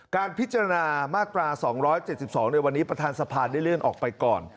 การพิจารณามาตรา๒๗๒ในวันนี้ประธานสภาได้เลื่อนออกไปก่อน